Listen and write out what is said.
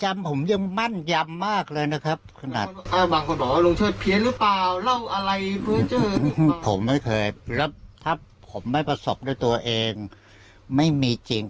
ผมยังไม่เคยแล้วถ้าผมไม่ประสบด้วยตัวเองไม่มีจริง